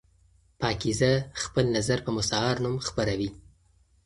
پاکیزه خپل نظر په مستعار نوم خپروي.